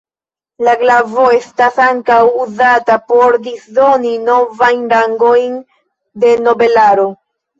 La glavo estas ankaŭ uzata por disdoni novajn rangojn de nobelaro.